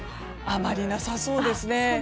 あまりなさそうですね。